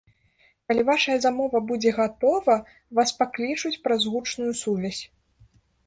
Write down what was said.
Калі вашая замова будзе гатова, вас паклічуць праз гучную сувязь.